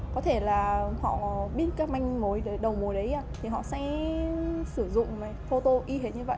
có thể là họ biết các manh mối đầu mồi đấy thì họ sẽ sử dụng phô tô y hệt như vậy